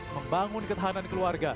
membangun ketahanan keluarga